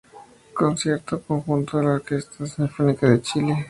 Concierto conjunto con la Orquesta Sinfónica de Chile.